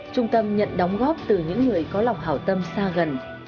trung tâm nhận đóng góp từ những người có lòng hảo tâm xa gần